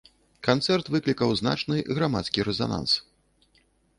Канцэрт выклікаў значны грамадскі рэзананс.